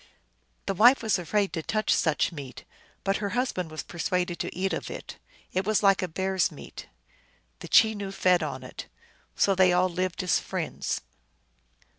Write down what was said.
The wife was afraid to touch such meat. 1 But her husband was persuaded to eat of it. It was like bear s meat. The Chenoo fed on it. So they all lived as friends.